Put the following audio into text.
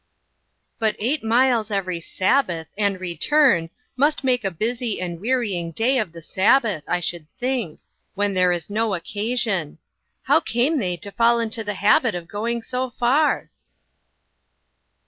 " But eight miles every Sabbath, and re turn, must make a busy and wearying day of the Sabbath, I should think, when there is no occasion. How came they to fall into the habit of going so far?"